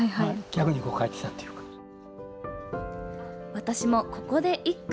私もここで一句。